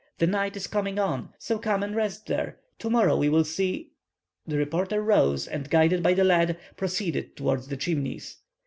The night is coming on; so come and rest there. To morrow we will see—" The reporter rose, and, guided by the lad, proceeded towards the Chimneys.